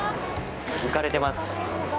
浮かれてます。